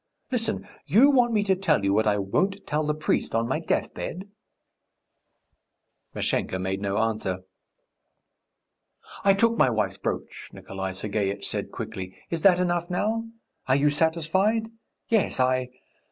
Listen; you want me to tell you what I won't tell the priest on my deathbed?" Mashenka made no answer. "I took my wife's brooch," Nikolay Sergeitch said quickly. "Is that enough now? Are you satisfied? Yes, I